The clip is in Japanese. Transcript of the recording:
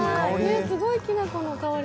すごいきな粉の香り。